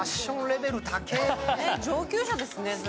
上級者ですね。